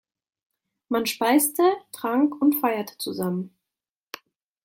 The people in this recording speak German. Man speiste, trank und feierte zusammen.